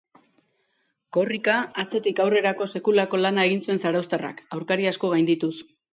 Korrika atzetik aurrerako sekulako lana egin zuen zarauztarrak, aurkari asko gaindituz.